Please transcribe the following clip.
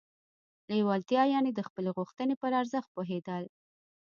لېوالتیا يانې د خپلې غوښتنې پر ارزښت پوهېدل.